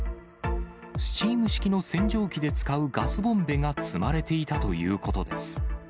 スチーム式の洗浄器で使うガスボンベが積まれていたということです。